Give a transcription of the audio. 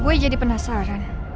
gue jadi penasaran